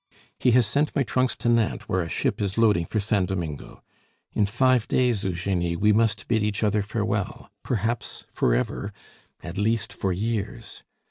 He has sent my trunks to Nantes, where a ship is loading for San Domingo. In five days, Eugenie, we must bid each other farewell perhaps forever, at least for years.